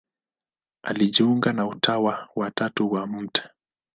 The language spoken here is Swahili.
Alijiunga na Utawa wa Tatu wa Mt.